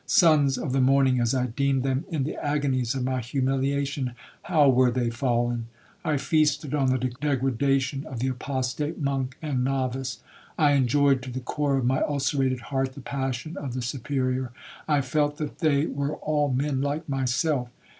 'Sons of the morning,' as I deemed them in the agonies of my humiliation, 'how were they fallen!' I feasted on the degradation of the apostate monk and novice,—I enjoyed, to the core of my ulcerated heart, the passion of the Superior,—I felt that they were all men like myself.